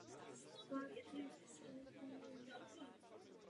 Je členem Stálého výboru Španělské biskupské konference.